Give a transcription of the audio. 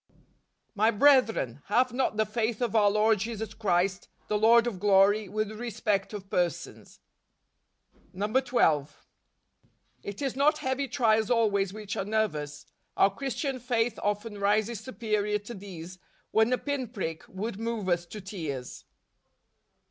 " My brethren , have not the faith of our Lord Jesus Christ , the Lord of glory , with respect of persons ." DECEMBER. 139 12. "It is not heavy trials always which unnerve us. Our Christian faith often rises superior to these, when a pin prick would move us to tears."